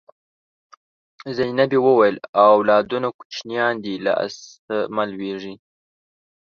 زینبې وویل اولادونه کوچنیان دي له آسه مه لوېږئ.